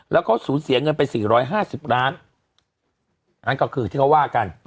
แล้วก็สูญเสียเงินไป๔๕๐ล้านนั่นก็คือที่เขาว่ากัน